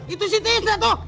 itu si tisna tuh